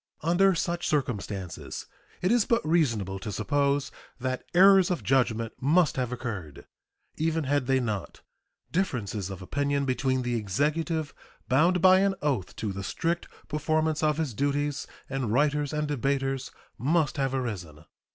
Under such circumstances it is but reasonable to suppose that errors of judgment must have occurred. Even had they not, differences of opinion between the Executive, bound by an oath to the strict performance of his duties, and writers and debaters must have arisen.